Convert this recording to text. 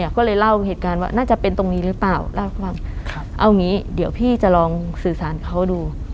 ก็เลยเล่าเหตุการณ์ว่าน่าจะเป็นตรงนี้หรือเปล่าเล่าให้ฟังเอางี้เดี๋ยวพี่จะลองสื่อสารเขาดู